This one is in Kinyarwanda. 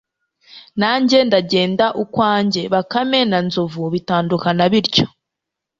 nanjye ndagenda ukwanjye.'bakame na nzovu bitandukana bityo